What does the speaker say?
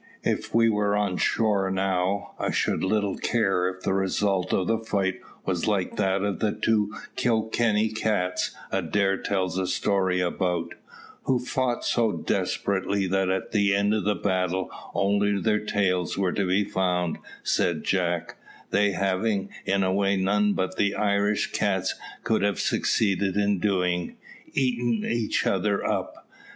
"If we were on shore now, I should little care if the result of the fight was like that of the two Kilkenny cats Adair tells a story about, who fought so desperately that at the end of the battle only their tails were to be found," said Jack; "they having, in a way none but Irish cats could have succeeded in doing, eaten each other up.